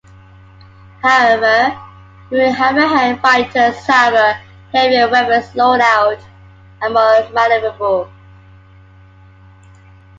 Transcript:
However, human Hammerhead fighters have a heavier weapons loadout, and are more maneuverable.